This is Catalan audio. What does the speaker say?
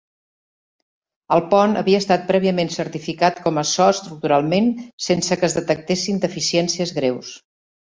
El pont havia estat prèviament certificat com a so estructuralment sense que es detectessin deficiències greus.